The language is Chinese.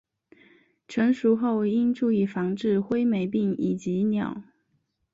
成熟后应注意防治灰霉病以及鸟。